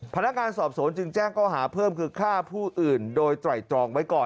พนักงานสอบสวนจึงแจ้งเขาหาเพิ่มคือฆ่าผู้อื่นโดยไตรตรองไว้ก่อน